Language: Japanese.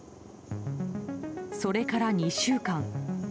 それから２週間。